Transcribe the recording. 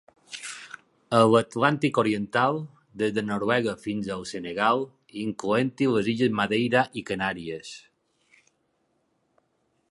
A l'Atlàntic Oriental, des de Noruega fins al Senegal, incloent-hi les illes Madeira i Canàries.